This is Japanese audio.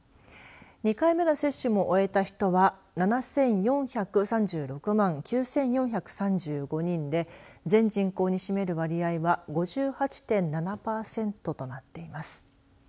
２回目の接種も終えた人は７４３６万９４３５人で全人口に占める割合は５８．７パーセントとなっています。